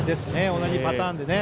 同じパターンで。